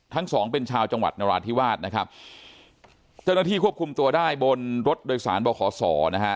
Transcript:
ทั้งสองเป็นชาวจังหวัดนราธิวาสนะครับเจ้าหน้าที่ควบคุมตัวได้บนรถโดยสารบ่อขอสอนะฮะ